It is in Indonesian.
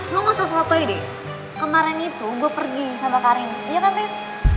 lo gak usah sotoy deh kemaren itu gue pergi sama karim iya kan tiff